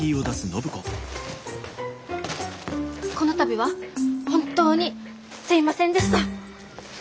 この度は本当にすいませんでした。